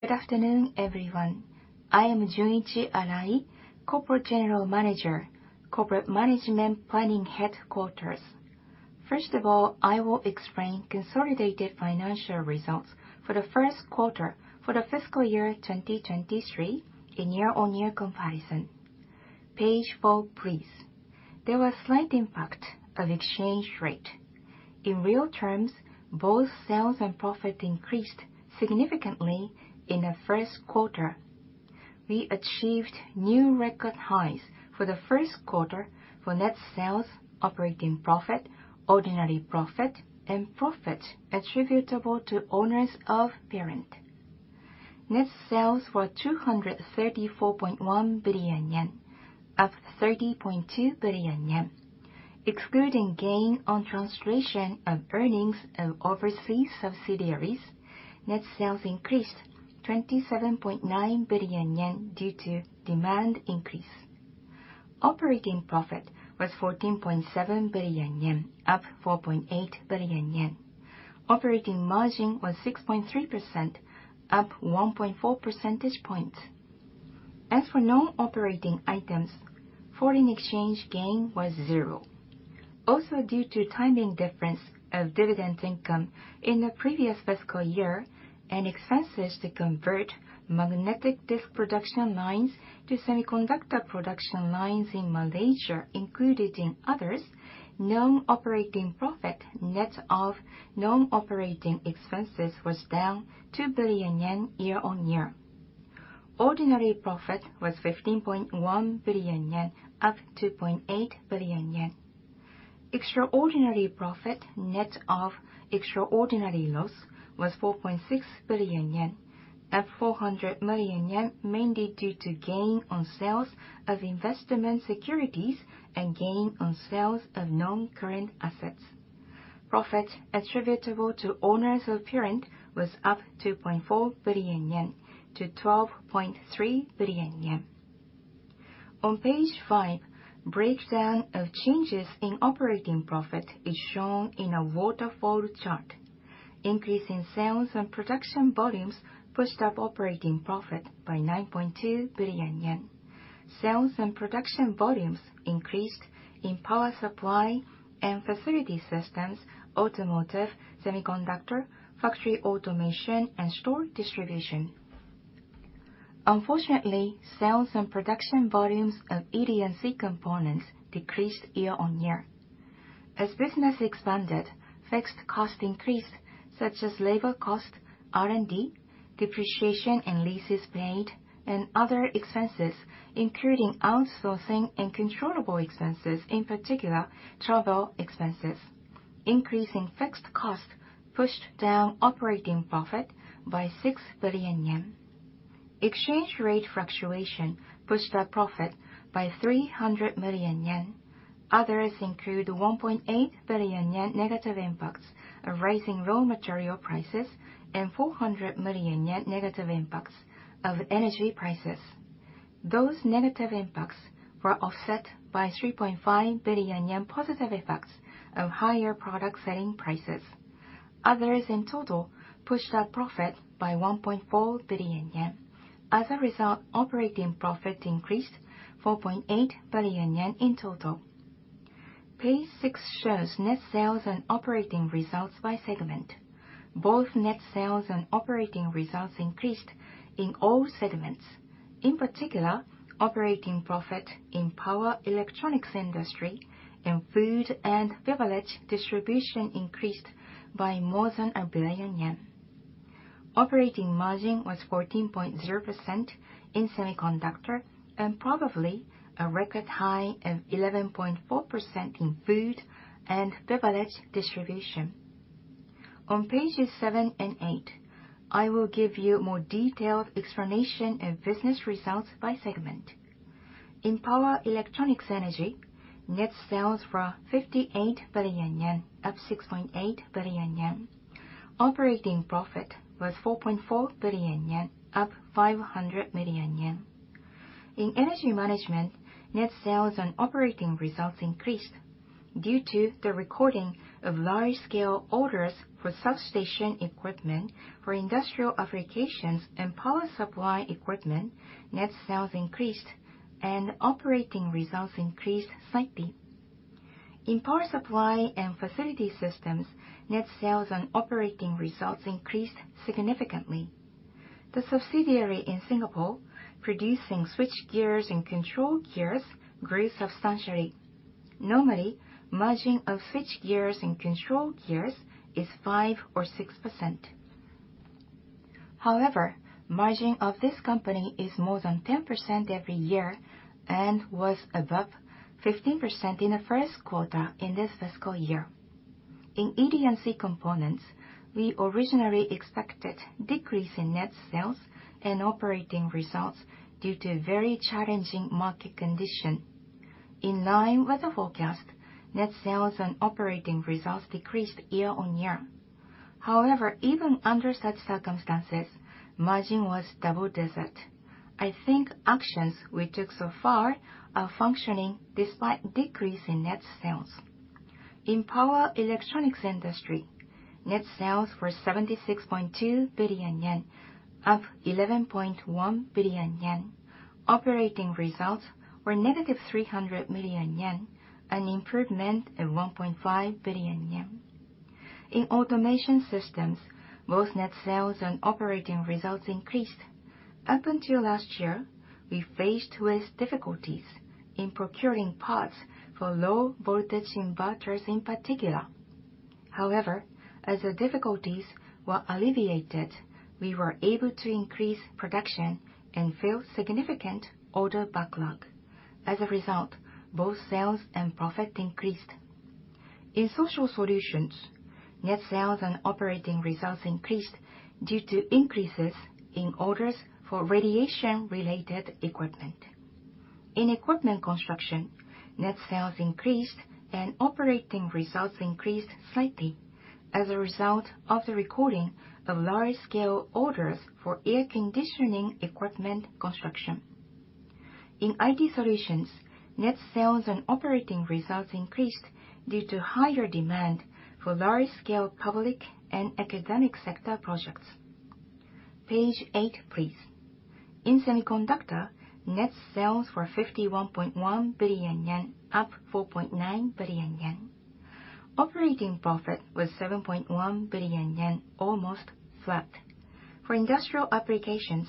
Good afternoon, everyone. I am Junichi Arai, Corporate General Manager, Corporate Management Planning Headquarters. First of all, I will explain consolidated financial results for the first quarter for the fiscal year 2023 in year-on-year comparison. Page four, please. There was slight impact of exchange rate. In real terms, both sales and profit increased significantly in the first quarter. We achieved new record highs for the first quarter for net sales, operating profit, ordinary profit, and profit attributable to owners of parent. Net sales were 234.1 billion yen up 30.2 billion yen. Excluding gain on translation of earnings of overseas subsidiaries, net sales increased 27.9 billion yen due to demand increase. Operating profit was 14.7 billion yen up 4.8 billion yen. Operating margin was 6.3% up 1.4 percentage points. As for non-operating items, foreign exchange gain was 0. Due to timing difference of dividend income in the previous fiscal year and expenses to convert magnetic disk production lines to semiconductor production lines in Malaysia included in others, non-operating profit net of non-operating expenses was down 2 billion yen year-on-year. Ordinary profit was 15.1 billion yen up 2.8 billion yen. Extraordinary profit net of extraordinary loss was 4.6 billion yen up 400 million yen, mainly due to gain on sales of investment securities and gain on sales of non-current assets. Profit attributable to owners of parent was up 2.4 billion yen to 12.3 billion yen. On page five, breakdown of changes in operating profit is shown in a waterfall chart. Increase in sales and production volumes pushed up operating profit by 9.2 billion yen. Sales and production volumes increased in power supply and facility systems, automotive, semiconductors, factory automation, and store distribution. Unfortunately, sales and production volumes of ED&C components decreased year-on-year. As business expanded, fixed costs increased, such as labor cost, R&D, depreciation and leases paid, and other expenses, including outsourcing and controllable expenses, in particular, travel expenses. Increasing fixed cost pushed down operating profit by 6 billion yen. Exchange rate fluctuation pushed up profit by 300 million yen. Others include 1.8 billion yen negative impacts of rising raw material prices and 400 million yen negative impacts of energy prices. Those negative impacts were offset by 3.5 billion yen positive effects of higher product selling prices. Others in total pushed up profit by 1.4 billion yen. As a result, operating profit increased 4.8 billion yen in total. Page six shows net sales and operating results by segment. Both net sales and operating results increased in all segments. In particular, operating profit in power electronics industry and food and beverage distribution increased by more than 1 billion yen. Operating margin was 14.0% in semiconductor, and probably a record high of 11.4% in food and beverage distribution. On pages seven and eight, I will give you more detailed explanation of business results by segment. In power electronics energy, net sales were 58 billion yen up 6.8 billion yen. Operating profit was 4.4 billion yen up 500 million yen. In energy management, net sales and operating results increased due to the recording of large-scale orders for substation equipment for industrial applications and power supply equipment. Net sales increased and operating results increased slightly. In power supply and facility systems, net sales and operating results increased significantly. The subsidiary in Singapore, producing switchgears and controlgears, grew substantially. Normally, margin of switchgears and controlgears is 5% or 6%. However, margin of this company is more than 10% every year and was above 15% in the first quarter in this fiscal year. In ED&C components, we originally expected decrease in net sales and operating results due to very challenging market condition. In line with the forecast, net sales and operating results decreased year-on-year. However, even under such circumstances, margin was double-digit. I think actions we took so far are functioning despite decrease in net sales. In power electronics industry, net sales were 76.2 billion yen up 11.1 billion yen. Operating results were negative 300 million yen, an improvement of 1.5 billion yen. In automation systems, both net sales and operating results increased. Up until last year, we faced with difficulties in procuring parts for low-voltage inverters, in particular. However, as the difficulties were alleviated, we were able to increase production and fill significant order backlog. As a result, both sales and profit increased. In social solutions, net sales and operating results increased due to increases in orders for radiation-related equipment. In equipment construction, net sales increased and operating results increased slightly as a result of the recording of large-scale orders for air conditioning equipment construction. In IT solutions, net sales and operating results increased due to higher demand for large-scale public and academic sector projects. Page eight, please. In semiconductor, net sales were 51.1 billion yen up 4.9 billion yen. Operating profit was 7.1 billion yen, almost flat. For industrial applications,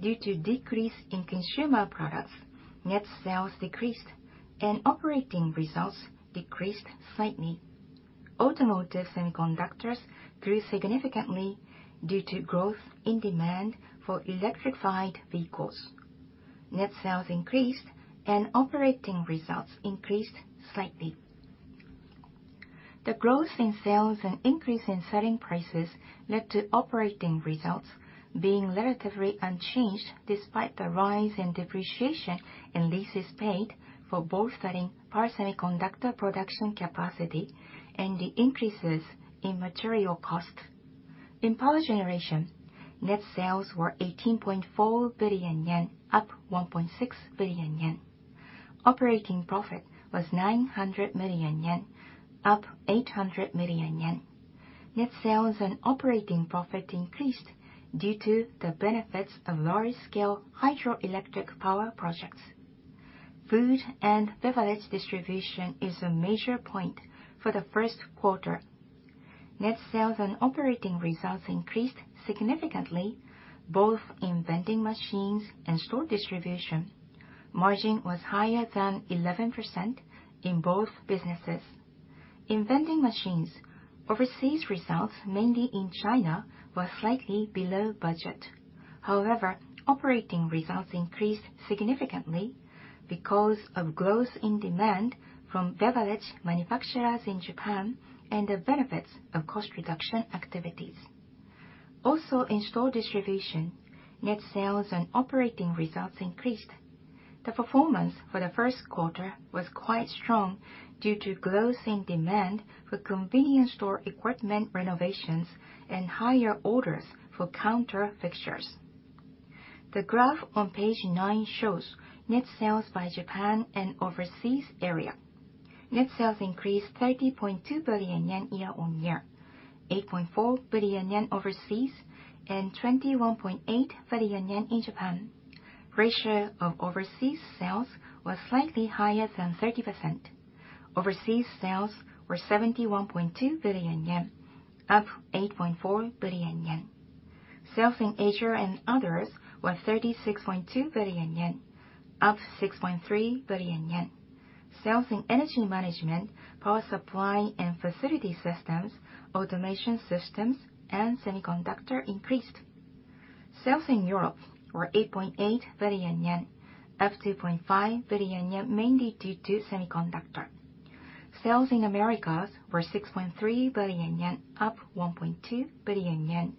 due to decrease in consumer products, net sales decreased and operating results decreased slightly. Automotive semiconductors grew significantly due to growth in demand for electrified vehicles. Net sales increased and operating results increased slightly. The growth in sales and increase in selling prices led to operating results being relatively unchanged, despite the rise in depreciation and leases paid for both selling power semiconductor production capacity and the increases in material cost. In power generation, net sales were 18.4 billion yen up 1.6 billion yen. Operating profit was 900 million yen up 800 million yen. Net sales and operating profit increased due to the benefits of large-scale hydroelectric power projects. Food and beverage distribution is a major point for the first quarter. Net sales and operating results increased significantly, both in vending machines and store distribution. Margin was higher than 11% in both businesses. In vending machines, overseas results, mainly in China, were slightly below budget. However, operating results increased significantly because of growth in demand from beverage manufacturers in Japan and the benefits of cost reduction activities. Also, in store distribution, net sales and operating results increased. The performance for the first quarter was quite strong due to growth in demand for convenience store equipment renovations and higher orders for counter fixtures. The graph on page nine shows net sales by Japan and overseas area. Net sales increased 30.2 billion yen year-on-year, 8.4 billion yen overseas, and 21.8 billion yen in Japan. Ratio of overseas sales was slightly higher than 30%. Overseas sales were 71.2 billion yen up 8.4 billion yen. Sales in Asia and others were 36.2 billion yen up 6.3 billion yen. Sales in energy management, power supply and facility systems, automation systems, and semiconductor increased. Sales in Europe were 8.8 billion yen up 2.5 billion yen, mainly due to semiconductor. Sales in Americas were 6.3 billion yen up 1.2 billion yen,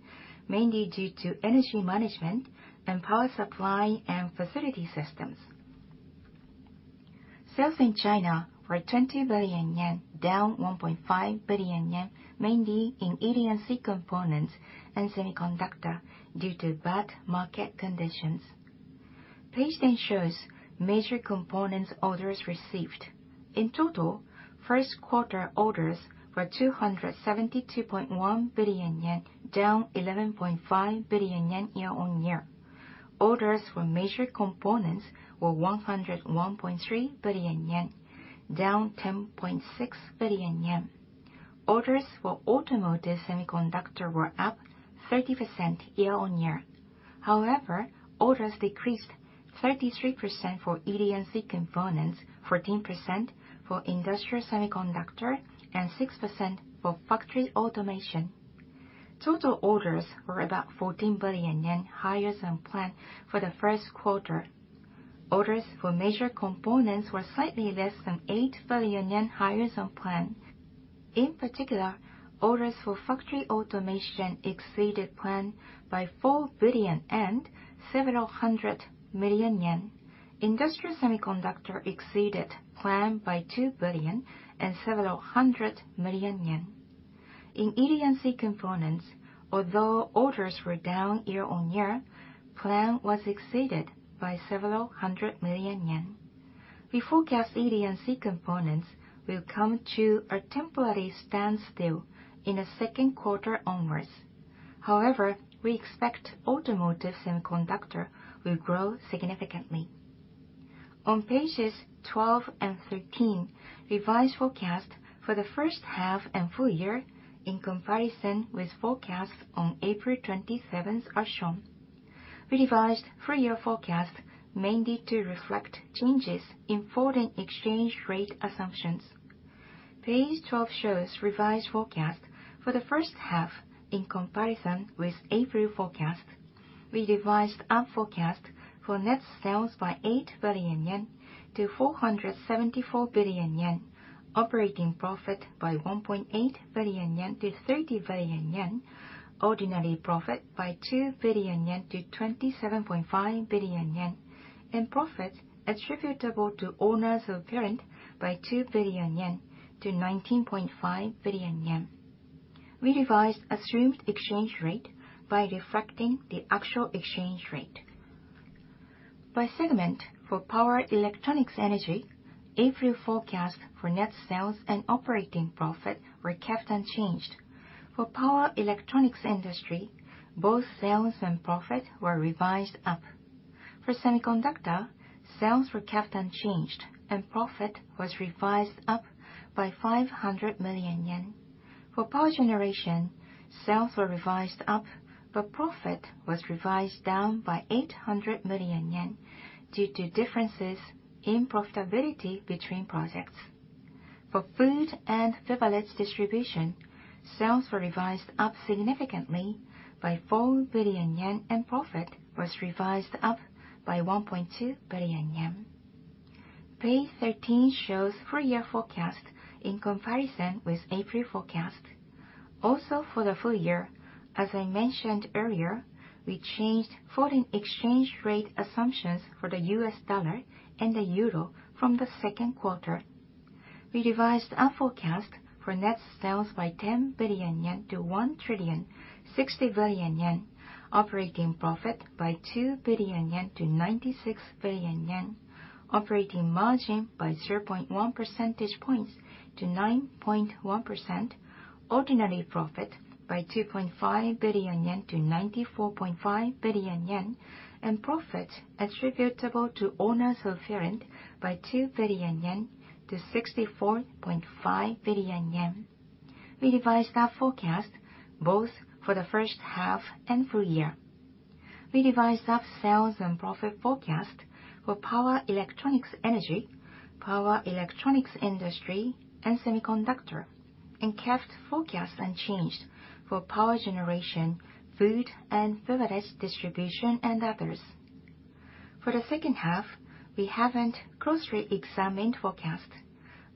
mainly due to energy management and power supply and facility systems. Sales in China were 20 billion yen down 1.5 billion yen, mainly in ED&C components and semiconductor due to bad market conditions. Page 10 shows major components orders received. In total, first quarter orders were 272.1 billion yen down 11.5 billion yen year-on-year. Orders for major components were 101.3 billion yen down 10.6 billion yen. Orders for automotive semiconductor were up 30% year-over-year. However, orders decreased 33% for ED&C components, 14% for industrial semiconductor, and 6% for factory automation. Total orders were about 14 billion yen higher than planned for the first quarter. Orders for major components were slightly less than 8 billion higher than planned. In particular, orders for factory automation exceeded plan by 4 billion and several hundred million yen. Industry semiconductor exceeded plan by 2 billion and several hundred million yen. In ED&C components, although orders were down year-over-year, plan was exceeded by several hundred million yen. We forecast ED&C components will come to a temporary standstill in the second quarter onwards. However, we expect automotive semiconductor will grow significantly. On pages 12 and 13, revised forecast for the first half and full year in comparison with forecasts on April 27th are shown. We revised full year forecast mainly to reflect changes in foreign exchange rate assumptions. Page 12 shows revised forecast for the first half in comparison with April forecast. We revised up forecast for net sales by 8 billion yen to 474 billion yen, operating profit by 1.8 billion yen to 30 billion yen, ordinary profit by 2 billion yen to 27.5 billion yen, and profit attributable to owners of parent by 2 billion yen to 19.5 billion yen. We revised assumed exchange rate by reflecting the actual exchange rate. By segment for power electronics energy, April forecast for net sales and operating profit were kept unchanged. For power electronics industry, both sales and profit were revised up. For semiconductor, sales were kept unchanged, and profit was revised up by 500 million yen. For power generation, sales were revised up, but profit was revised down by 800 million yen due to differences in profitability between projects. For food and beverage distribution, sales were revised up significantly by 4 billion yen, and profit was revised up by 1.2 billion yen. Page 13 shows full year forecast in comparison with April forecast. For the full year, as I mentioned earlier, we changed foreign exchange rate assumptions for the US dollar and the euro from the second quarter. We revised our forecast for net sales by 10 billion yen to 1,060 billion yen, operating profit by 2 billion yen to 96 billion yen, operating margin by 0.1 percentage points to 9.1%, ordinary profit by 2.5 billion yen to 94.5 billion yen, and profit attributable to owners of parent by 2 billion yen to 64.5 billion yen. We revised our forecast both for the first half and full year. We revised up sales and profit forecast for power electronics energy, power electronics industry, and semiconductor, and kept forecast unchanged for power generation, food and beverage distribution, and others. For the second half, we haven't closely examined forecast.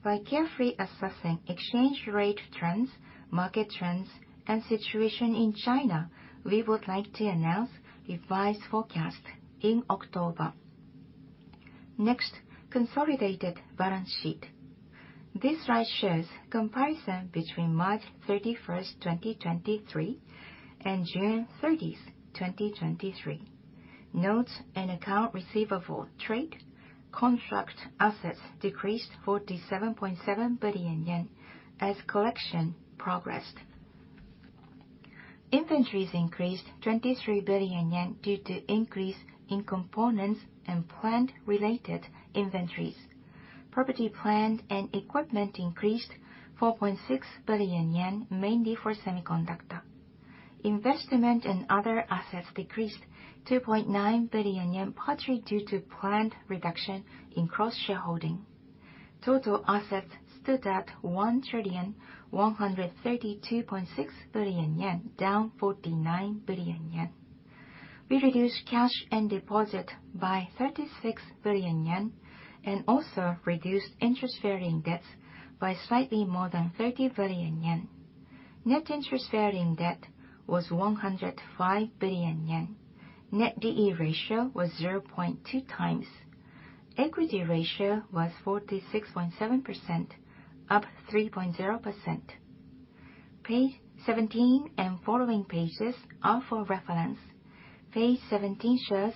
By carefully assessing exchange rate trends, market trends, and situation in China, we would like to announce revised forecast in October. Next, consolidated balance sheet. This slide shows comparison between March 31st, 2023, and June 30th, 2023. Notes and account receivable, trade, contract assets decreased 47.7 billion yen as collection progressed. Inventories increased 23 billion yen due to increase in components and plant-related inventories. Property, plant, and equipment increased 4.6 billion yen, mainly for semiconductor. Investment and other assets decreased 2.9 billion yen, partly due to planned reduction in cross-shareholding. Total assets stood at 1,132.6 billion yen down 49 billion yen. We reduced cash and deposit by 36 billion yen and also reduced interest-bearing debts by slightly more than 30 billion yen. Net interest-bearing debt was 105 billion yen. Net D/E ratio was 0.2x. Equity ratio was 46.7% up 3.0%. Page 17 and following pages are for reference. Page 17 shows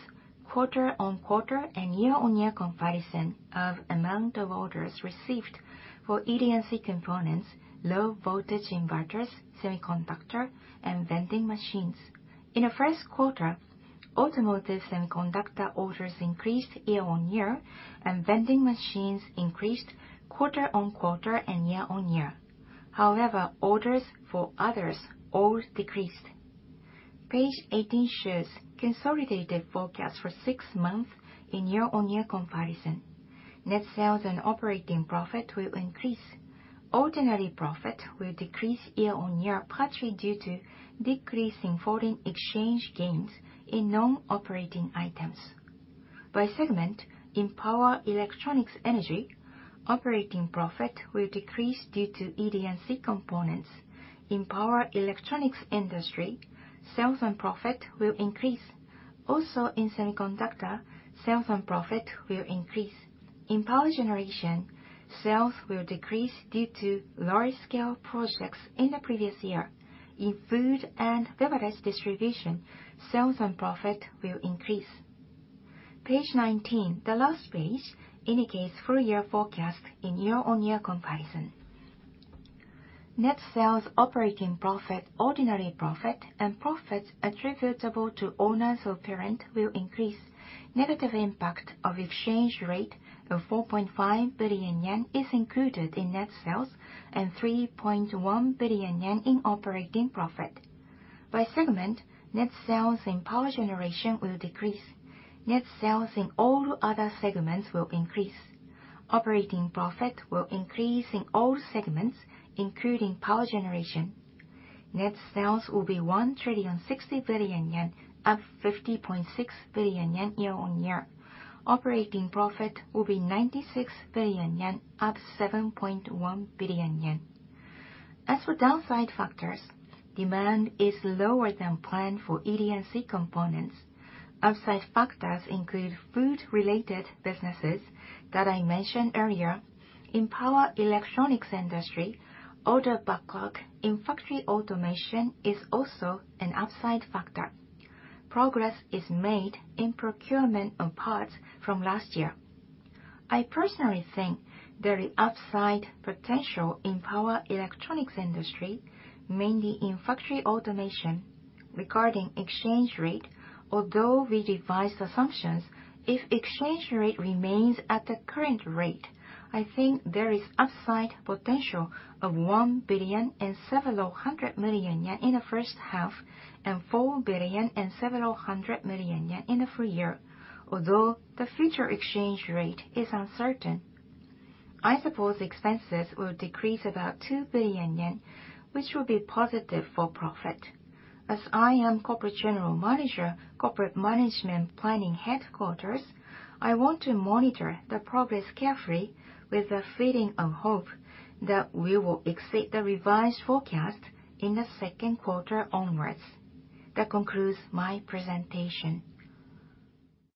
quarter-on-quarter and year-on-year comparison of amount of orders received for ED&C components, low-voltage inverters, semiconductor, and vending machines. In the 1st quarter, automotive semiconductor orders increased year-on-year, and vending machines increased quarter-on-quarter and year-on-year. However, orders for others all decreased. Page 18 shows consolidated forecast for six months in year-on-year comparison. Net sales and operating profit will increase. Ordinary profit will decrease year-on-year, partly due to decrease in foreign exchange gains in non-operating items. By segment, in power electronics energy, operating profit will decrease due to ED&C components. In power electronics industry, sales and profit will increase. Also in semiconductor, sales and profit will increase. In power generation, sales will decrease due to lower scale projects in the previous year. In food and beverage distribution, sales and profit will increase. Page 19, the last page, indicates full year forecast in year-on-year comparison. Net sales, operating profit, ordinary profit, and profits attributable to owners of parent will increase. Negative impact of exchange rate of 4.5 billion yen is included in net sales, and 3.1 billion yen in operating profit. By segment, net sales in power generation will decrease. Net sales in all other segments will increase. Operating profit will increase in all segments, including power generation. Net sales will be 1,060 billion yen up 50.6 billion yen year-on-year. Operating profit will be 96 billion yen, up 7.1 billion yen. As for downside factors, demand is lower than planned for ED&C components. Upside factors include food related businesses that I mentioned earlier. In power electronics industry, order backlog in factory automation is also an upside factor. Progress is made in procurement of parts from last year. I personally think there is upside potential in power electronics industry, mainly in factory automation. Regarding exchange rate, although we revised assumptions, if exchange rate remains at the current rate, I think there is upside potential of 1 billion and several hundred million yen in the first half, and 4 billion and several hundred million yen in the full year, although the future exchange rate is uncertain. I suppose expenses will decrease about 2 billion yen, which will be positive for profit. As I am Corporate General Manager, Corporate Management Planning Headquarters, I want to monitor the progress carefully with a feeling of hope that we will exceed the revised forecast in the second quarter onwards. That concludes my presentation.